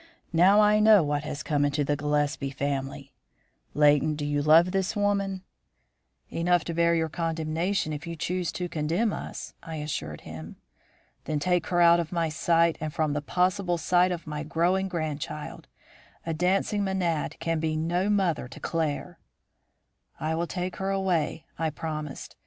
Now I know what has come into the Gillespie family. Leighton, do you love this woman?' [Illustration: "SHE GLIDED INTO OUR PRESENCE IN ONE RAPTUROUS WHIRL"] "'Enough to bear your condemnation if you choose to condemn us,' I assured him. "'Then take her away out of my sight and from the possible sight of my growing grandchild. A dancing menad can be no mother to Claire.' "'I will take her away,' I promised him.